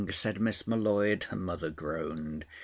said Miss M'Leod. Her mother groaned.